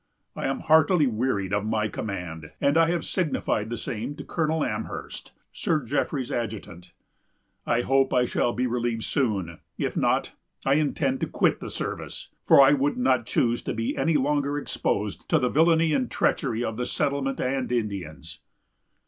I am heartily wearied of my command, and I have signified the same to Colonel Amherst (Sir Jeffrey's adjutant). I hope I shall be relieved soon; if not, I intend to quit the service, for I would not choose to be any longer exposed to the villany and treachery of the settlement and Indians."